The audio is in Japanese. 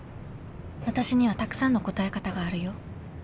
私にはたくさんのこたえ方があるよ